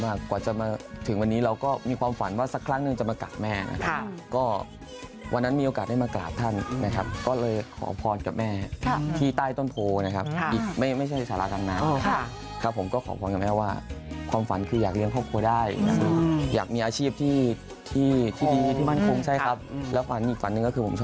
กว่าจะมาถึงวันนี้เราก็มีความฝันว่าสักครั้งหนึ่งจะมากราบแม่นะครับก็วันนั้นมีโอกาสได้มากราบท่านนะครับก็เลยขอพรกับแม่ที่ใต้ต้นโพนะครับอีกไม่ใช่สาราทางน้ำครับผมก็ขอพรกับแม่ว่าความฝันคืออยากเลี้ยงครอบครัวได้นะครับอยากมีอาชีพที่ที่ดีที่มั่นคงใช่ครับแล้วฝันอีกฝันหนึ่งก็คือผม